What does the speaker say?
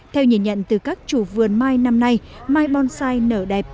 theo nhìn nhận từ các chủ vườn mai năm nay mai bonsai nở đẹp